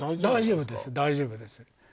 大丈夫です大丈夫です